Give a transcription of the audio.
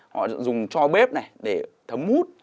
họ dùng cho bếp này để thấm hút